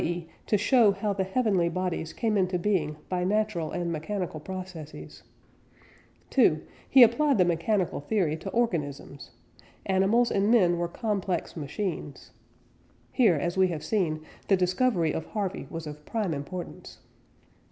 e._ to show how the heavenly bodies came into being by natural and mechanical processes; (2) he applied the mechanical theory to organisms; animals and men were complex machines. (Here, as we have seen, the discovery of Harvey was of prime importance.)